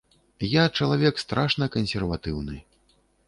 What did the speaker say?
Я чалавек страшна кансерватыўны.